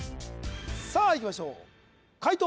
さあいきましょう解答